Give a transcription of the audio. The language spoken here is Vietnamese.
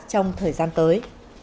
trong thời gian tới